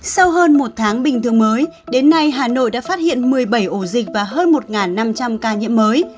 sau hơn một tháng bình thường mới đến nay hà nội đã phát hiện một mươi bảy ổ dịch và hơn một năm trăm linh ca nhiễm mới